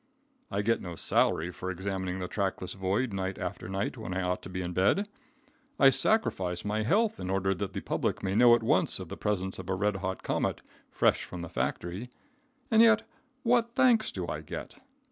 I get no salary for examining the trackless void night after night when I ought to be in bed. I sacrifice my health in order that the public may know at once of the presence of a red hot comet, fresh from the factory. And yet, what thanks do I get?